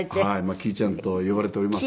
きーちゃんと呼ばれております。